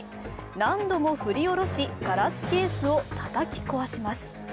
何度も振り下ろしガラスケースをたたき壊します。